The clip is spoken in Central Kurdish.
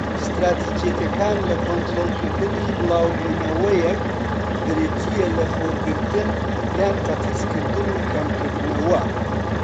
ستراتیجیەتەکان لە کۆنترۆڵکردنی بڵاوبوونەوەیەک بریتیە لە لەخۆگرتن یان قەتیسکردن، و کەمکردنەوە.